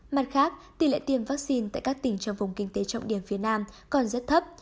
mặt khác tỷ lệ tiêm vaccine tại các tỉnh trong vùng kinh tế trọng điểm phía nam còn rất thấp